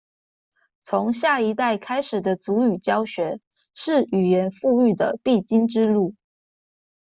從下一代開始的族語教學，是語言復育的必經之路